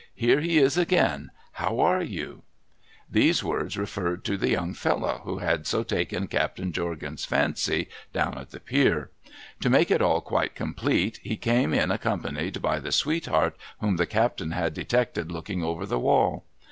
Here he is again ! How are you ?' These words referred to the young fellow who had so taken Captain Jorgan's fancy down at the pier. To make it all quite complete he came in accompanied by the sweetheart whom the captain had detected looking over the wall.